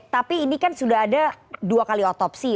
tapi ini kan sudah ada dua kali otopsi